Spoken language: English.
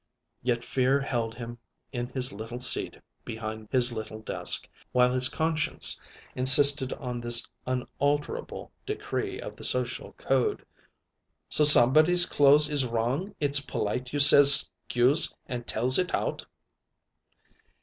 Yet fear held him in his little seat behind his little desk, while his conscience insisted on this unalterable decree of the social code: "So somebody's clothes is wrong it's polite you says ''scuse' and tells it out."